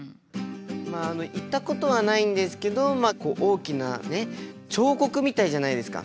まあ行ったことはないんですけどまあ大きな彫刻みたいじゃないですか。